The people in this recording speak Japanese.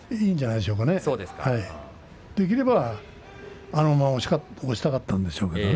できれば、あのまま押したかったんでしょうけどね。